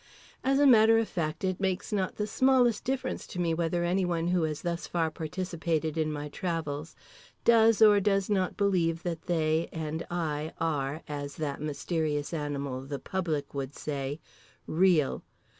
As a matter of fact, it makes not the smallest difference to me whether anyone who has thus far participated in my travels does or does not believe that they and I are (as that mysterious animal, "the public" would say) "real."